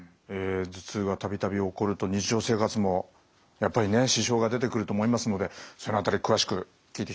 頭痛が度々起こると日常生活もやっぱりね支障が出てくると思いますのでその辺り詳しく聞いていきたいですね。